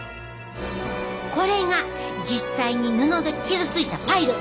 これが実際に布で傷ついたパイル。